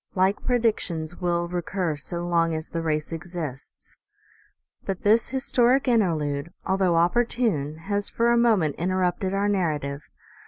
Like predictions will recur so long as the race exists. But this historic interlude, although opportune, has for a moment interrupted our narrative.